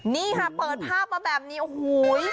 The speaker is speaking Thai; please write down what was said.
นี่ค่ะเปิดภาพมาแบบนี้โอ้โห